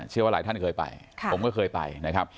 เชื่อว่าหลายท่านเคยไปผมก็เคยไปนะครับ